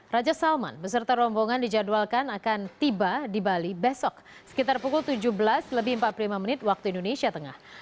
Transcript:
raja salman beserta rombongan dijadwalkan akan tiba di bali besok sekitar pukul tujuh belas lebih empat puluh lima menit waktu indonesia tengah